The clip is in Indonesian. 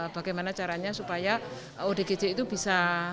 bagaimana caranya supaya odgj itu bisa